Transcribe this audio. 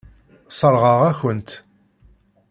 Sseṛɣeɣ-aken-tt.